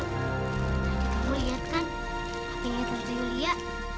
tadi kamu lihat kan apinya tante yulia